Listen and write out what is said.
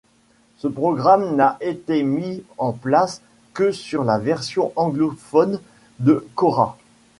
Ce programme n'a été mis en place que sur la version anglophone de Quora.